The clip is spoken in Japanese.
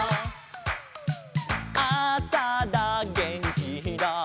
「あさだげんきだ」